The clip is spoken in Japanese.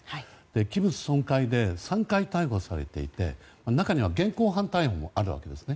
器物損壊で３回、逮捕されていて中には現行犯逮捕もあるわけですね。